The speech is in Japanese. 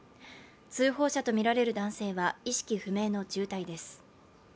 通報者とみられる男性は意識不明の重体です。